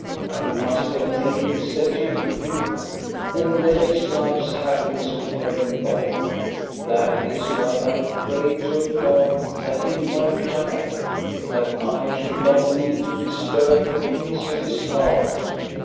I must have made him set you free, and then his life's happiness would have been gone. That is why I prayed to God that he might die, that I should not need to disturb the peace of his heart.